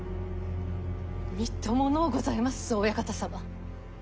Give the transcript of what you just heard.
みっとものうございますぞお屋形様。